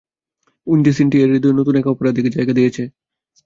Windy city এর হৃদয়ে নতুন এক অপরাধীকে জায়গা দিয়েছে।